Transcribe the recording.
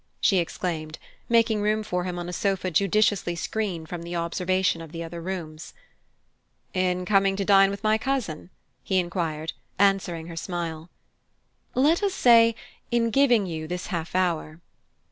she exclaimed, making room for him on a sofa judiciously screened from the observation of the other rooms. "In coming to dine with my cousin?" he enquired, answering her smile. "Let us say, in giving you this half hour."